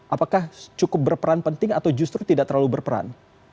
apakah cukup berperan penting atau justru tidak terlalu berperan